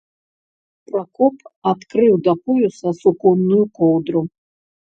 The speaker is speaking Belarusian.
Пракоп адкрыў да пояса суконную коўдру.